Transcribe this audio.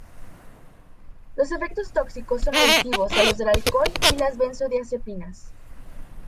Los efectos tóxicos son aditivos a los del alcohol y las benzodiacepinas.